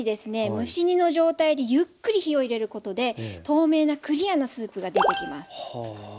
蒸し煮の状態でゆっくり火を入れることで透明なクリアなスープが出てきます。